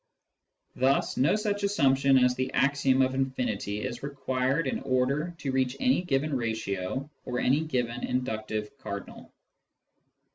Thus no such assumption as the axiom of infinity is required in order to reach any given ratio or any given inductive cardinal.